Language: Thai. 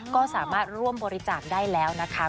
ก็สามารถร่วมบริจาคได้แล้วนะคะ